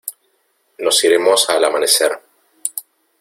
nos iremos al amanecer.